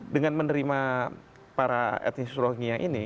dengan menerima para etnis rohia ini